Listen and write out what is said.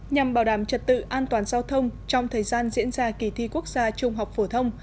nhằm bảo đảm trật tự an toàn giao thông trong thời gian diễn ra kỳ thi quốc gia trung học phổ thông